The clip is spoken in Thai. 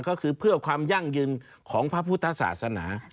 ก็คือเพื่อความยั่งยืนของพระพุทธศาสนา